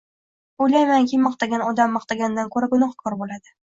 O'ylaymanki, maqtagan odam maqtagandan ko'ra gunohkor bo'ladi